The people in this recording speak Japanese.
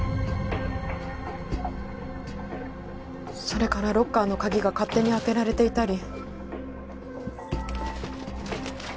それからロッカーの鍵が勝手に開けられていたり。